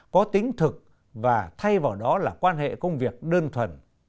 có tính thực và thay vào đó là quan hệ công việc đơn thuần